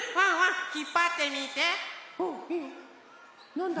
なんだ？